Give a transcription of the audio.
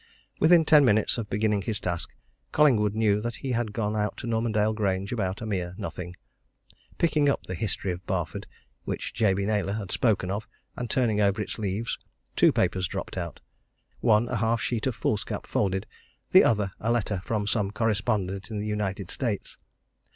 Within ten minutes of beginning his task Collingwood knew that he had gone out to Normandale Grange about a mere nothing. Picking up the History of Barford which Jabey Naylor had spoken of, and turning over its leaves, two papers dropped out; one a half sheet of foolscap, folded; the other, a letter from some correspondent in the United States.